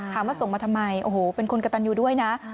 ส่งมาทำไมโอ้โหเป็นคนกระตันยูด้วยนะ